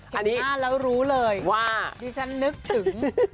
หันหน้าแล้วรู้เลยว่าดิฉันนึกถึง